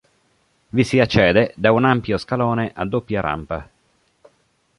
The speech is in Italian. Vi si accede da un ampio scalone a doppia rampa.